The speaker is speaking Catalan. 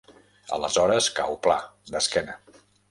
Aleshores cau pla, d'esquena.